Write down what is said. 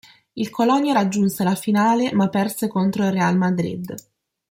Il Colonia raggiunse la finale ma perse contro il Real Madrid.